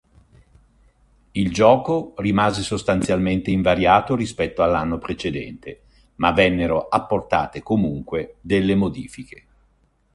Il gioco rimase sostanzialmente invariato rispetto all'anno precedente, ma vennero apportate comunque delle modifiche.